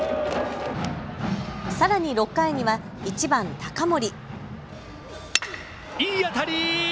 さらに６回には１番・高森。